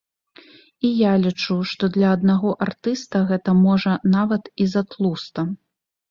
І я лічу, што для аднаго артыста гэта можа нават і затлуста.